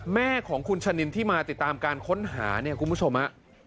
แม่ของคุณชะนินที่มาติดตามการค้นหาเนี่ยคุณผู้ชมฮะ